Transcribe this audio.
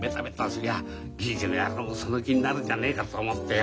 すりゃ銀次の野郎もその気になるんじゃねえかと思ってよ。